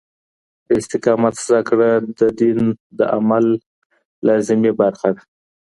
د استقامت زده کړه د دين د عمل لازمي برخه ده.